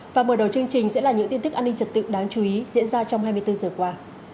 và mở đầu chương trình sẽ là những tin tức an ninh trật tự đáng chú ý diễn ra trong hai mươi bốn giờ qua